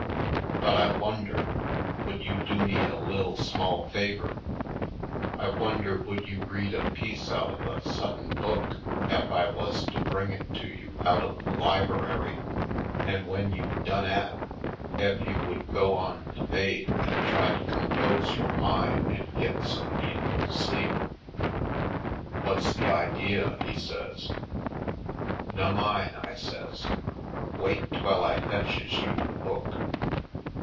But I wonder would you do me a lil' small favor? I wonder would you read a piece out of a su'ttin book ef I wuz to bring it to you out of the liberary, an' w'en you'd done 'at ef you would go on to baid an' try to compose 188 /. Poindexter^ Colored yore min' an' git some needful sleep?" "What's the idea?" he says. "Nummine," I says. "Wait 'twell I fetches you the book."